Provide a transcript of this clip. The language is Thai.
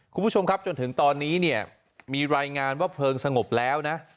คุณผู้ชมครับจนถึงตอนนี้เนี่ยมีรายงานว่าเพลิงสงบแล้วนะ